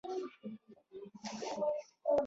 د فکر کړکۍ هغې خوا نه خلاصېږي